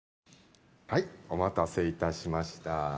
お待たせしました。